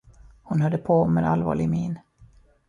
Hon hörde på med allvarlig min.